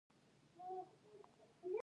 ایا زه باید ماشوم ته اوبه ورکړم؟